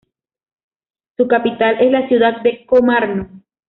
Su capital es la ciudad de Komárno.